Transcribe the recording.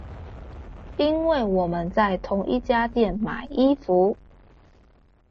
因為我們在同一家店買衣服